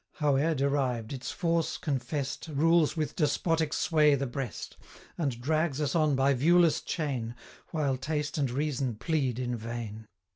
Howe'er derived, its force confest 125 Rules with despotic sway the breast, And drags us on by viewless chain, While taste and reason plead in vain.